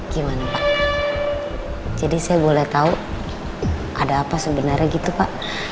gimana pak jadi saya boleh tahu ada apa sebenarnya gitu pak